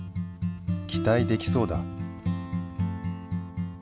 期待できそうだ。